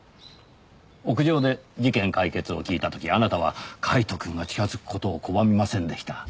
屋上で事件解決を聞いた時あなたはカイトくんが近づく事を拒みませんでした。